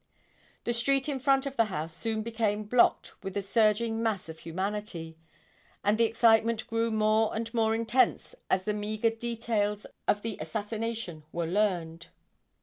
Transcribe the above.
The street in front of the house soon became blocked with a surging mass of humanity, and the excitement grew more and more intense as the meager details of the assassination were learned.